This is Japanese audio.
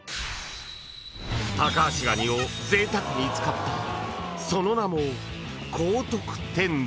［タカアシガニをぜいたくに使ったその名も］